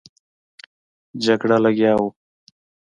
جګړه لګیا وو.